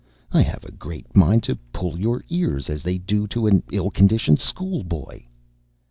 I have a great mind to pull your ears, as they do to an ill conditioned schoolboy."